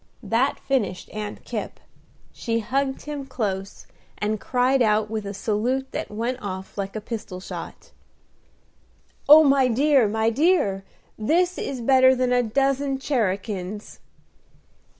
That finished Aunt Kipp; she hugged him dose, and cried out with a salute that went off like a pistol shot, "Oh, my dear, my dear! this is better than a dozen cherakins!"